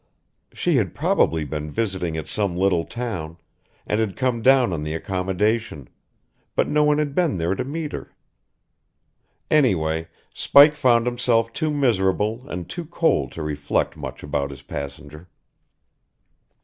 She had probably been visiting at some little town, and had come down on the accommodation; but no one had been there to meet her. Anyway, Spike found himself too miserable and too cold to reflect much about his passenger.